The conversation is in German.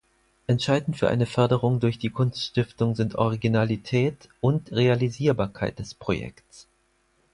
Entscheidend für eine Förderung durch die Kunststiftung sind Originalität und Realisierbarkeit des Projekts.